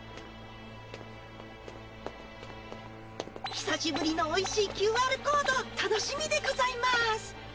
久しぶりのおいしいＱＲコード楽しみでございます。